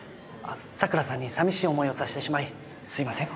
桜さんに寂しい思いをさせてしまいすいません。